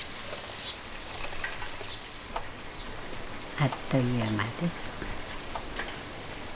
あっという間です。